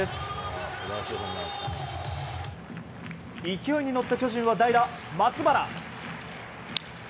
勢いに乗った巨人は代打、松原。